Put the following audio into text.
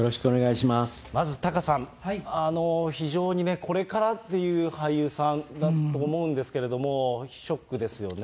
まずタカさん、非常にね、これからっていう俳優さんだと思うんですけれども、ショックですよね。